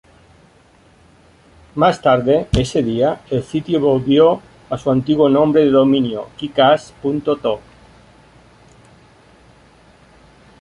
Más tarde ese día, el sitio volvió a su antiguo nombre de dominio kickass.to.